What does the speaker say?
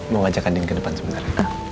mau ngajak adin ke depan sebentar